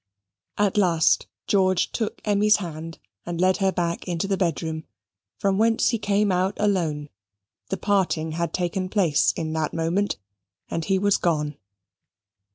At last, George took Emmy's hand, and led her back into the bedroom, from whence he came out alone. The parting had taken place in that moment, and he was gone.